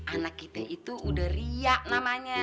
anak kita itu udah riak namanya